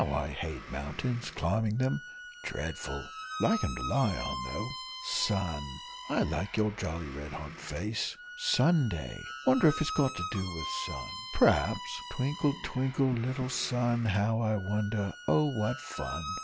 How I hate mountains climbing them dreadful! Like 'em to lie on, though sun, I like your jolly red hot face Sunday! wonder if's got to do with sun p'raps twinkle, twinkle, little sun, how I wonder oh, what fun!